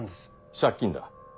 借金だ。